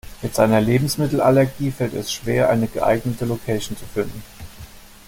Mit seiner Lebensmittelallergie fällt es schwer, eine geeignete Location zu finden.